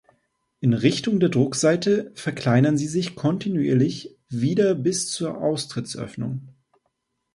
In Richtung der Druckseite verkleinern sie sich kontinuierlich wieder bis zur Austrittsöffnung.